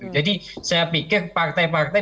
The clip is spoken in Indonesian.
jadi saya pikir partai partai